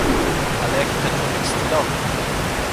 "Ale jaki to człowiek stylowy!..."